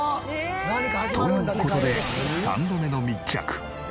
という事で３度目の密着。